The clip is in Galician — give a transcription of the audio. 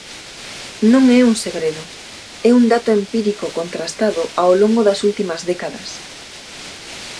Non é un segredo, é un dato empírico contrastado ao longo das últimas décadas.